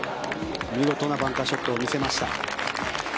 見事なバンカーショットを見せました。